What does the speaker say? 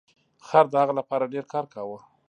خر د هغه لپاره ډیر کار کاوه.